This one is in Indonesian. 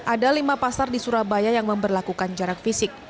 ada lima pasar di surabaya yang memperlakukan jarak fisik